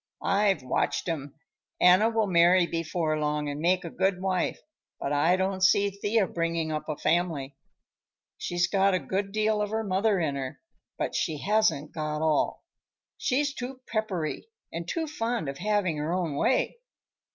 I've watched 'em. Anna will marry before long and make a good wife, but I don't see Thea bringing up a family. She's got a good deal of her mother in her, but she hasn't got all. She's too peppery and too fond of having her own way.